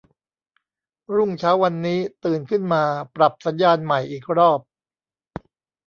รุ่งเช้าวันนี้ ตื่นขึ้นมา ปรับสัญญาณใหม่อีกรอบ